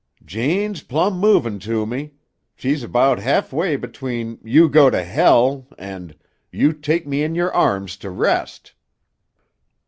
"Jane's plumb movin' to me. She's about halfway between 'You go to hell' and 'You take me in your arms to rest.'"